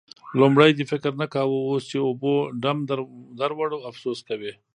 لومړی دې فکر نه کاوو؛ اوس چې اوبو ډم در وړ، افسوس کوې.